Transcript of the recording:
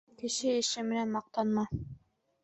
— Кеше эше менән маҡтанма.